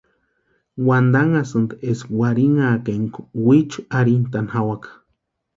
Wantanhasïnti eska warhinhaka énka wichu arhintani jawaka.